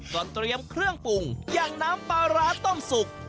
ก็เตรียมเครื่องปรุงอย่างน้ำปลาร้าต้มสุก